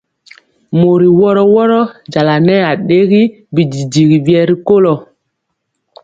Mori woro woro njala nɛɛ adɛri bidigi biɛ rikolo.